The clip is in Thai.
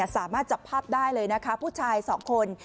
สามารถจับภาพได้เลยนะคะผู้ชายสองคน